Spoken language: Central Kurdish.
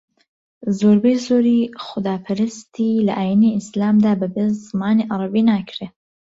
زۆربەی زۆری خوداپەرستی لە ئاینی ئیسلامدا بەبێ زمانی عەرەبی ناکرێ